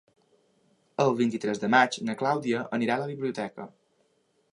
El vint-i-tres de maig na Clàudia anirà a la biblioteca.